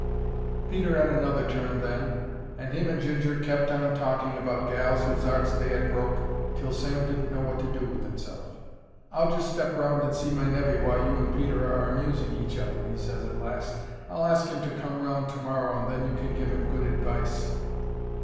Peter 'ad another turn then, and him and Ginger kept on talking about gals whose 'arts they 'ad broke till Sam didn't know what to do with 'imself. "I'll just step round and see my nevy, while you and Peter are amusing each other," he ses at last. "I'll ask 'im to come round to morrow and then you can give 'im good advice."